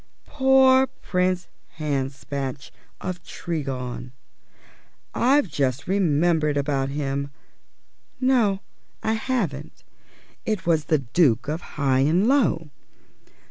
Poor Prince Hanspatch of Tregong; I've just remembered about him no, I haven't, it was the Duke of Highanlow.